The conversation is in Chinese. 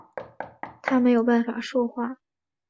他没有办法说话